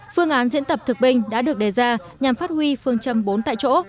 phương án diễn tập thực binh đã được đề ra nhằm phát huy phương châm bốn tại chỗ